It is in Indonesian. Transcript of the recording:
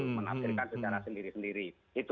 mengaktifkan secara sendiri sendiri